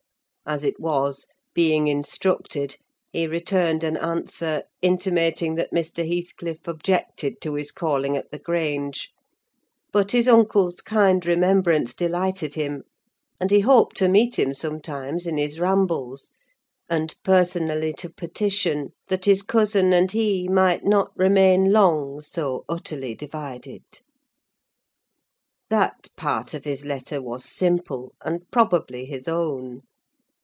As it was, being instructed, he returned an answer, intimating that Mr. Heathcliff objected to his calling at the Grange; but his uncle's kind remembrance delighted him, and he hoped to meet him sometimes in his rambles, and personally to petition that his cousin and he might not remain long so utterly divided. That part of his letter was simple, and probably his own.